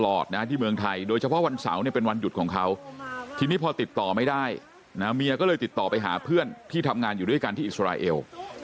ที่เมืองไทยโดยเฉพาะวันเสาร์เนี่ยเป็นวันหยุดของเขาทีนี้พอติดต่อไม่ได้นะเมียก็เลยติดต่อไปหาเพื่อนที่ทำงานอยู่ด้วยกันที่อิสราเอล